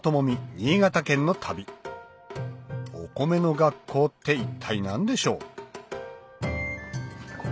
新潟県の旅「お米の楽校」って一体何でしょう？